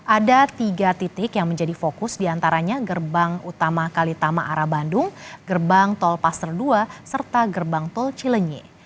ada tiga titik yang menjadi fokus diantaranya gerbang utama kalitama arah bandung gerbang tol paster ii serta gerbang tol cilenyi